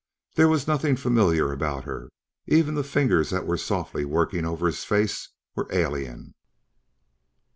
There was nothing familiar about her; even the fingers that were softly working over his face were alien.